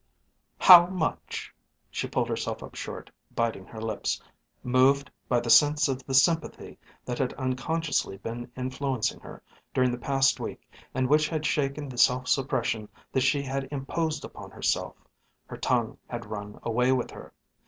How much " She pulled herself up short, biting her lips. Moved by the sense of the sympathy that had unconsciously been influencing her during the past week and which had shaken the self suppression that she had imposed upon herself, her tongue had run away with her.